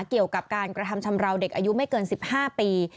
เกี่ยวกับการกระทำชำราวเด็กอายุไม่เกิน๑๕ปี